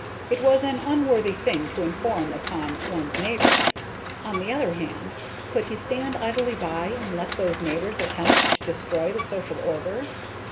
It was an unworthy thing to inform upon one's neighbors; on the other hand, could he stand idly by and let those neighbors attempt to destroy the social order?